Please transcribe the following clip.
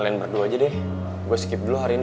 kalian berdua aja deh gue skip dulu hari ini